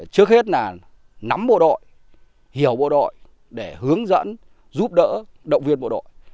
trước hết là nắm bộ đội hiểu bộ đội để hướng dẫn giúp đỡ động viên bộ đội